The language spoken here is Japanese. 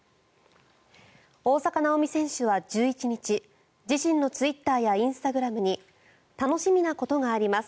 大坂なおみ選手は１１日自身のツイッターやインスタグラムに楽しみなことがあります